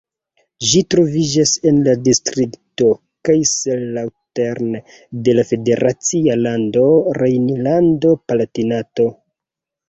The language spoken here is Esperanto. Ĝi troviĝas en la distrikto Kaiserslautern de la federacia lando Rejnlando-Palatinato.